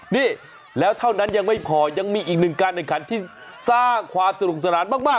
นี่แล้วเท่านั้นยังไม่พอยังมีอีกหนึ่งการแข่งขันที่สร้างความสนุกสนานมาก